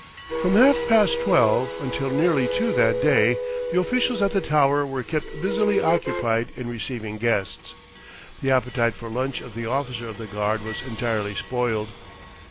From half past twelve until nearly two that day, the officials at the Tower were kept busily occupied in receiving guests. The appetite for lunch of the officer of the guard was entirely spoiled.